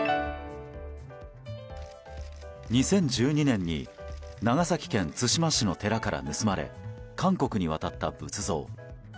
２０１２年に長崎県対馬市の寺から盗まれ韓国に渡った仏像。